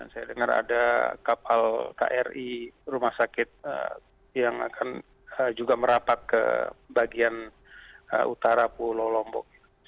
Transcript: saya dengar ada kapal kri rumah sakit yang akan juga merapat ke bagian utara pulau lombok